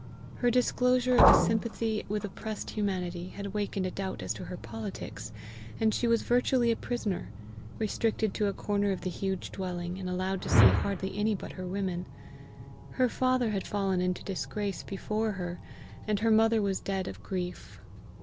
Her disclosure of a sympathy with oppressed humanity had wakened a doubt as to her politics, and she was virtually a prisoner, restricted to a corner of the huge dwelling, and allowed to see hardly any but her women. Her father had fallen into disgrace before her, and her mother was dead of grief.